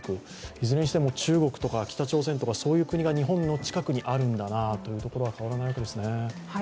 いずれにしても、中国や北朝鮮という国が日本の近くにあるんだなというところは変わらないわけですね。